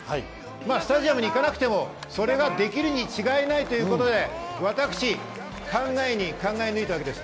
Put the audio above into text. スタジアムに行かなくてもそれができるに違いないということで、私が考えに考えぬいたわけです。